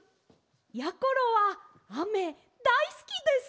やころはあめだいすきです！